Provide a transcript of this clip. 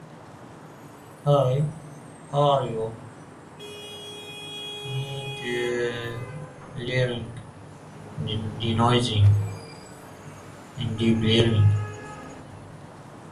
As the player base widened, players started traveling more.